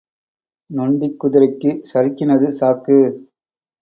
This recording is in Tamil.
நொண்டிக் குதிரைக்குச் சறுக்கினது சாக்கு.